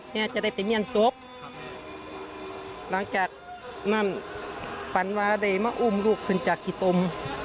แม่จะได้ไปเมี่ยนศพหลังจากนั้นฝันว่าได้มาอุ้มลูกขึ้นจากขีตม